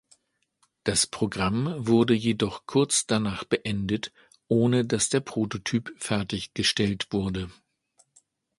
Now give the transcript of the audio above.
Das Programm wurde jedoch kurz danach beendet, ohne dass der Prototyp fertiggestellt wurde.